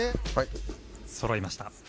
そろいました